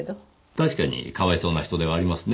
確かにかわいそうな人ではありますね。